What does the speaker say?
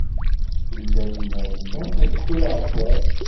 Tella deg Marikan ayyur iɛeddan.